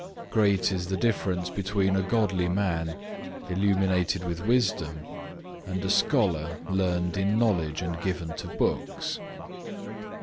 Great is the difference between a godly man, illuminated with wisdom, and a scholar learned in knowledge and given to books.